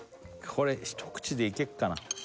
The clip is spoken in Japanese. これ一口でいけっかな？